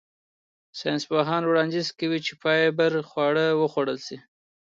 ساینسپوهان وړاندیز کوي چې فایبر خواړه وخوړل شي.